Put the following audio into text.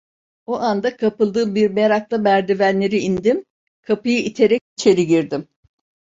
O anda kapıldığım bir merakla merdivenleri indim, kapıyı iterek içeri girdim.